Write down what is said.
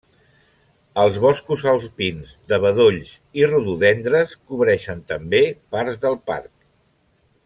Els boscos alpins de bedolls i rododendres cobreixen també parts del parc.